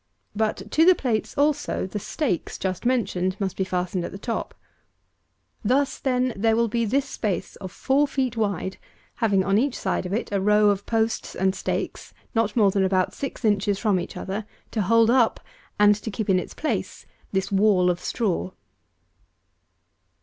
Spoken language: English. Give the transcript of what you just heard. But to the plates also the stakes just mentioned must be fastened at top. Thus, then, there will be this space of four feet wide, having, on each side of it, a row of posts and stakes, not more than about six inches from each other, to hold up, and to keep in its place, this wall of straw.